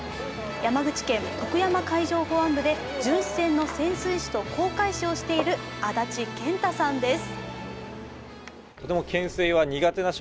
山口県徳山海上保安部で巡視船の潜水士と航海士をしている安達健太さんです。